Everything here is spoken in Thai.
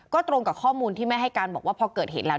ก็ตรงกับข้อมูลที่แม่ให้การบอกว่าพอเกิดเหตุแล้ว